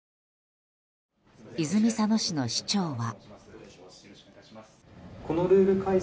泉佐野市の市長は。